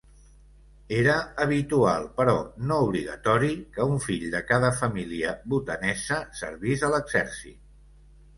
Era habitual, però no obligatori, que un fill de cada família bhutanesa servís a l'exèrcit.